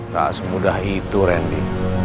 tak semudah itu randy